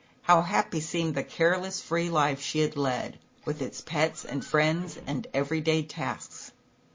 How happy seemed the careless free life she had led, with its pets and friends and everyday tasks.